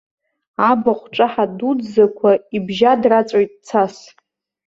Абахә ҿаҳа дуӡӡақәа ибжьадраҵәоит цас.